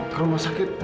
ke rumah sakit